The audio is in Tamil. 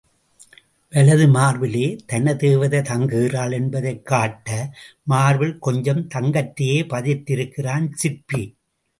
வலது மார்பிலே தனதேவதை தங்குகிறாள் என்பதைக் காட்ட மார்பில் கொஞ்சம் தங்கத்தையே பதித்திருக்கிறான் சிற்பி.